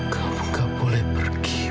kamu gak boleh pergi ibu